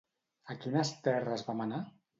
A quines terres va manar?